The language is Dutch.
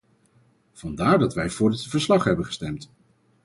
Vandaar dat wij voor dit verslag hebben gestemd.